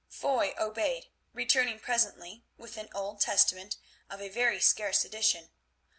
Foy obeyed, returning presently with an old Testament of a very scarce edition.